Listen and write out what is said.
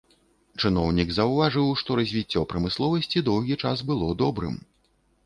Чыноўнік заўважыў, што развіццё прамысловасці доўгі час было добрым.